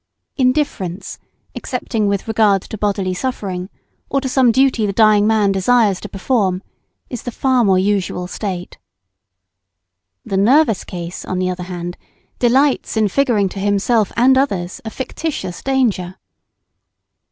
Indifference, excepting with regard to bodily suffering, or to some duty the dying man desires to perform, is the far more usual state. The "nervous case," on the other hand, delights in figuring to himself and others a fictitious danger.